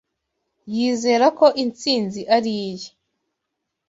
Yizera ko intsinzi ari iye